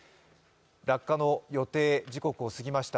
落下の予定時刻を過ぎました